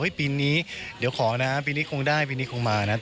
ปีนี้เดี๋ยวขอนะปีนี้คงได้ปีนี้คงมานะ